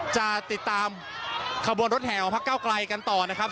จะติดตามขบวนรถแห่ของพักเก้าไกลกันต่อนะครับ